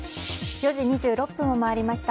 ４時２６分を回りました。